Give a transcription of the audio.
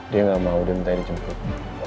dia gak mau dia minta dia jemput